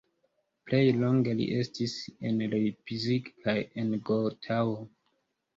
Plej longe li estis en Leipzig kaj en Gotao.